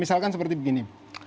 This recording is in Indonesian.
misalkan seperti begini